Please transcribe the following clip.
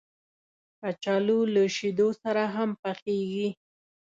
کچالو له شیدو سره هم پخېږي